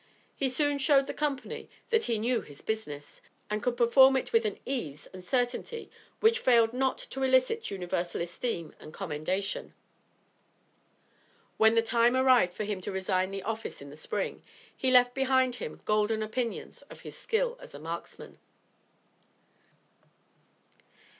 He soon showed the company that he knew his business, and could perform it with an ease and certainty which failed not to elicit universal esteem and commendation. When the time arrived for him to resign the office in the Spring, he left behind him golden opinions of his skill as a marksman.